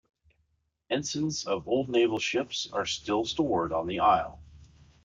Ensigns of old naval ships are still stored on the isle.